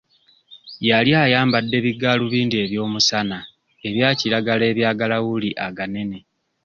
Yali ayambadde bigaalubindi eby'omusana ebya kiragala eby'agalawuli aganene.